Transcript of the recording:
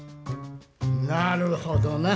なるほどな。